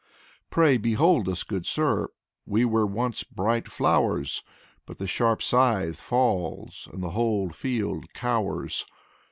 Pray, behold us, good sir: We were once bright flowers; But the sharp scythe falls And the whole field cowers.